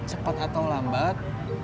cepet atau lambat